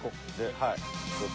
はい。